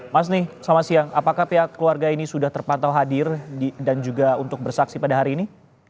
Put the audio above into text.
mas selamat siang apakah pihak keluarga ini sudah terpantau hadir dan juga untuk bersaksi pada hari ini